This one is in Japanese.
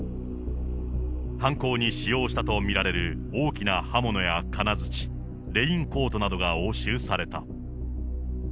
犯行に使用したと見られる、大きな刃物や金づち、レインコートなどが押収された。